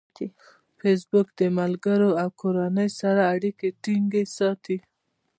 فېسبوک د ملګرو او کورنۍ سره اړیکې ټینګې ساتي.